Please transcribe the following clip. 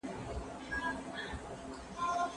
ولي فرد ځان له ټولني جلا ګڼي؟